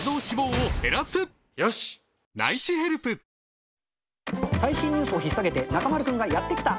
ニトリ最新ニュースをひっ提げて、中丸君がやって来た。